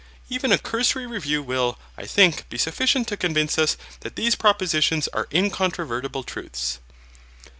Even a cursory review will, I think, be sufficient to convince us that these propositions are incontrovertible truths.